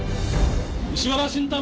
石原慎太郎